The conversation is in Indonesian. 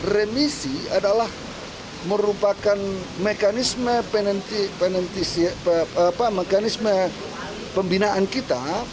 remisi adalah merupakan mekanisme pembinaan kita